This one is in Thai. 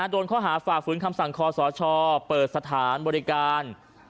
โดนข้อหาฝ่าฝืนคำสั่งคอสชเปิดสถานบริการ